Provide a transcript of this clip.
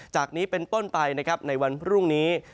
จากนี้เป็นต้นไปในวันพรุ่งนี้